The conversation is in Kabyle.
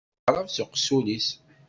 Kull aεrab s uqessul-is.